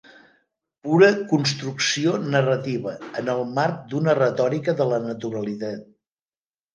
Pura construcció narrativa en el marc d'una retòrica de la naturalitat.